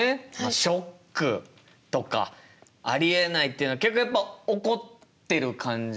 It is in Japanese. ショックとかありえないっていうのは結局やっぱ怒ってる感じかな？